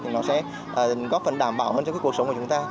thì nó sẽ góp phần đảm bảo hơn cho cuộc sống của chúng ta